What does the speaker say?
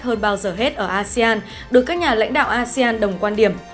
hơn bao giờ hết ở asean được các nhà lãnh đạo asean đồng quan điểm